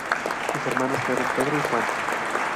Sus hermanos fueron Pedro y Juan.